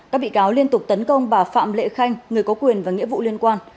các bị cáo liên tục tấn công bà phạm lệ khanh người có quyền và nghĩa vụ liên quan